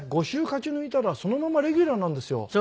５週勝ち抜いたらそのままレギュラーなんですよ。